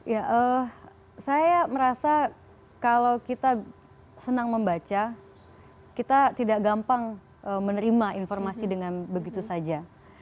ya saya merasa kalau kita senang membaca kita tidak gampang menerima informasi dengan begitu saja